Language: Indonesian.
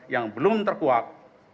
yang belum terkuat